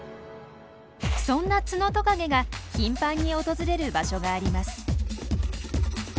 そんなツノトカゲが頻繁に訪れる場所があります。